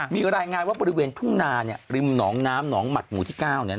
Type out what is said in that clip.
มีรายงานว่าบริเวณทุ่งนาริมหนองน้ำหนองหมัดหมู่ที่๙